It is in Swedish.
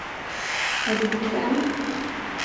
Är du bekväm?